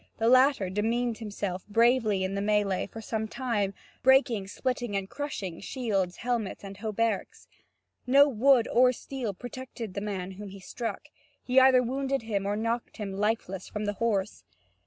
The latter demeaned himself bravely in the melee for some time, breaking, splitting, and crushing shields, helmets and hauberks. No wood or steel protected the man whom he struck; he either wounded him or knocked him lifeless from the horse.